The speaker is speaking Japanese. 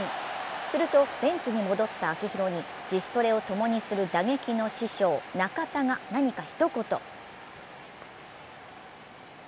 すると、ベンチに戻った秋広に自主トレを共にする打撃の師匠・中田が何か一言。